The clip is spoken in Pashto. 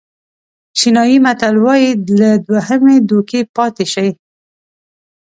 چینایي متل وایي له دوهمې دوکې پاتې شئ.